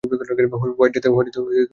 White ডেথের ছেলেকে পেয়েছো?